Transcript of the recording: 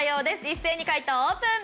一斉に解答オープン！